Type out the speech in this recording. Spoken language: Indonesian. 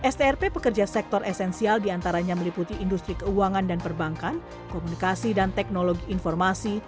strp pekerja sektor esensial diantaranya meliputi industri keuangan dan perbankan komunikasi dan teknologi informasi